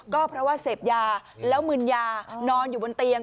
ก็เพราะว่าเสพยาแล้วมึนยานอนอยู่บนเตียง